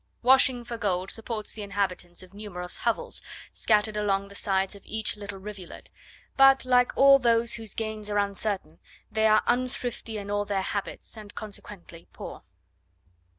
Washing for gold supports the inhabitants of numerous hovels, scattered along the sides of each little rivulet; but, like all those whose gains are uncertain, they are unthrifty in all their habits, and consequently poor.